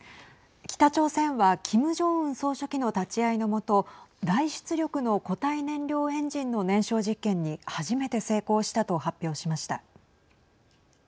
北朝鮮はキム・ジョンウン総書記の立ち会いのもと大出力の固体燃料エンジンの燃焼実験に初めて成功したと発表しました。